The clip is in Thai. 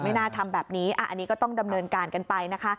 น่าทำแบบนี้อันนี้ก็ต้องดำเนินการกันไปนะคะ